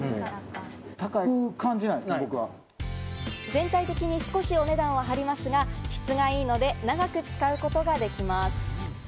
全体的に少しお値段は張りますが、質が良いので長く使うことができます。